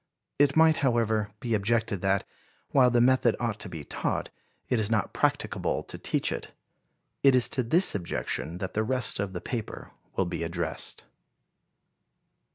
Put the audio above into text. It might, however, be objected that, while the method ought to be taught, it is not practicable to teach it. It is to this objection that the rest of the paper will be addressed.